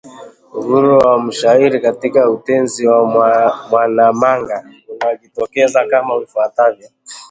Uhuru wa mshairi katika Utenzi wa Mwanamanga unajitokeza kama ifuatavyo: